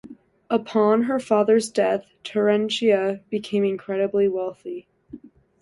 Upon her father's death, Terentia became incredibly wealthy.